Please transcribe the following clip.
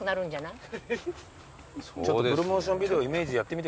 ちょっとプロモーションビデオイメージやってみてくださいよ。